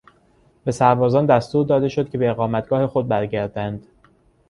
به سربازان دستور داده شد که به اقامتگاه خود برگردند.